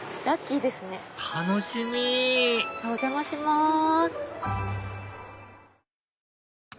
楽しみお邪魔します。